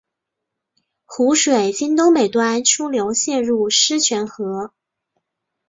湖水经东北端出流泄入狮泉河。